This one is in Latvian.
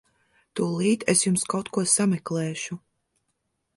Tūlīt es jums kaut ko sameklēšu.